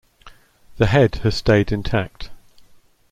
The head has stayed intact.